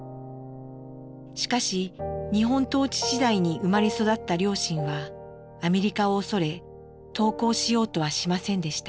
しかし日本統治時代に生まれ育った両親はアメリカを恐れ投降しようとはしませんでした。